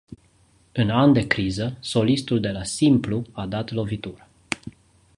În an de criză, solistul de la Simplu a dat lovitura.